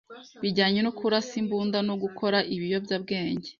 bijyanye no kurasa imbunda no gukora ibiyobyabwenge